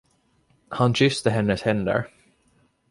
Han kysste hennes händer.